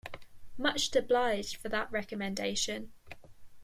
Much obliged for that recommendation.